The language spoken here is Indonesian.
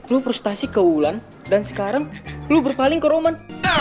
lo prestasi ke bulan dan sekarang lo berpaling ke roman